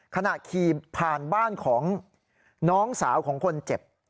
ขณะขี่ผ่านบ้านของน้องสาวของคนเจ็บ